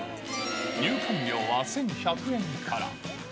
入館料は１１００円から。